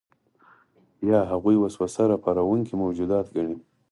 یا هغوی وسوسه راپاروونکي موجودات ګڼي.